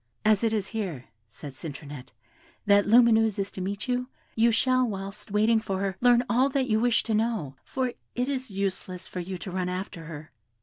"As it is here," said Citronette, "that Lumineuse is to meet you, you shall, whilst waiting for her, learn all that you wish to know, for it is useless for you to run after her.